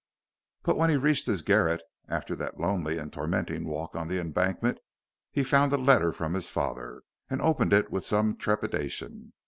But when he reached his garret, after that lonely and tormenting walk on the Embankment, he found a letter from his father, and opened it with some trepidation.